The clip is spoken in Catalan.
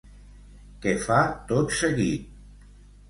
Què fa tot seguit?